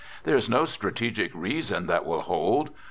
There is no strategic reason that will hold.